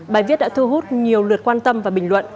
bài viết đã thu hút nhiều lượt quan tâm và bình luận